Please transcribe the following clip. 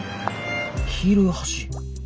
黄色い橋。